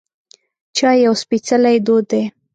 چای یو سپیڅلی دود دی.